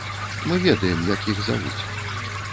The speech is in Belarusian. Мы ведаем, як іх завуць.